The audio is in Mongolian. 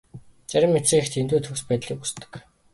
Зарим эцэг эх дэндүү төгс байдлыг хүсдэг.